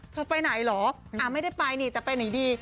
ไปไหนเหรอไม่ได้ไปนี่แต่ไปไหนดี